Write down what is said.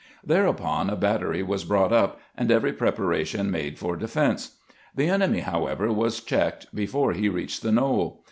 Thereupon a battery was brought up, and every preparation made for defense. The enemy, however, was checked before he reached the knoll.